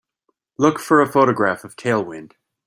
Look for a photograph of Tailwind